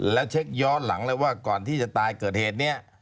แล้วเช็คย้อนหลังเลยว่าก่อนที่จะตายเกิดเหตุเนี่ย